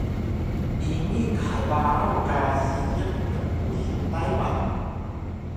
Ini khbaraw ka seejiq tnpusu Taywan